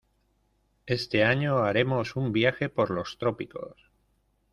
Este año haremos un viaje por los trópicos.